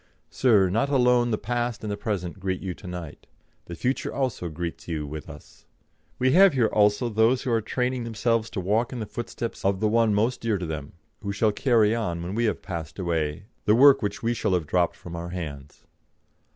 Sir, not alone the past and the present greet you to night. The future also greets you with us. We have here also those who are training themselves to walk in the footsteps of the one most dear to them, who shall carry on, when we have passed away, the work which we shall have dropped from our hands.